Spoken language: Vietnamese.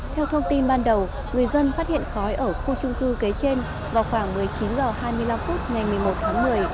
theo thông tin ban đầu người dân phát hiện khói ở khu trung cư kế trên vào khoảng một mươi chín h hai mươi năm phút ngày một mươi một tháng một mươi